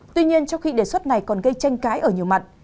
tuy nhiên trong khi đề xuất này còn gây tranh cãi ở nhiều mặt